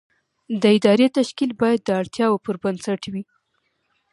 د ادارې تشکیل باید د اړتیاوو پر بنسټ وي.